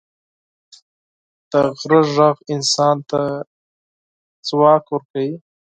د غره ږغ انسان ته ځواک ورکوي.